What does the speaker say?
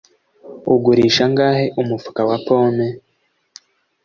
Ugurisha angahe umufuka wa pome?